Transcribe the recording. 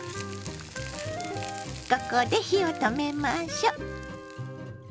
ここで火を止めましょ。